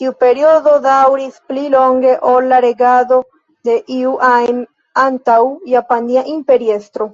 Tiu periodo daŭris pli longe ol la regado de iu ajn antaŭa japania imperiestro.